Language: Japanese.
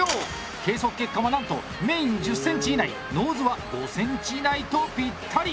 計測結果もなんとメイン、１０ｃｍ以内ノーズは５ｃｍ以内とピッタリ！